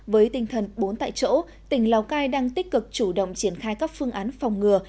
với tinh thần bốn tại chỗ tỉnh lào cai đang tích cực chủ động triển khai các phương án phòng ngừa